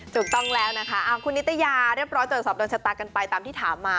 ถูกต้องแล้วนะคะคุณนิตยาเรียบร้อยตรวจสอบโดนชะตากันไปตามที่ถามมา